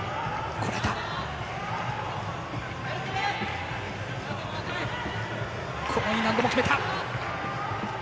このＥ難度も決めた。